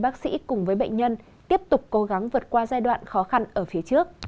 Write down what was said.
bác sĩ cùng với bệnh nhân tiếp tục cố gắng vượt qua giai đoạn khó khăn ở phía trước